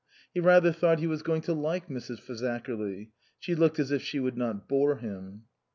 He rather thought he was going to like Mrs. Fazakerly ; she looked as if she would not bore him.